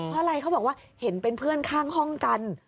เพราะอะไรเขาบอกว่าเห็นเป็นเพื่อนข้างห้องกัน